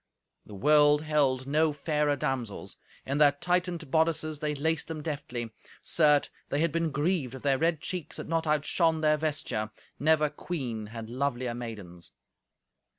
The world held no fairer damsels. In their tightened bodices they laced them deftly. Certes, they had been grieved if their red cheeks had not outshone their vesture. Never queen had lovelier maidens.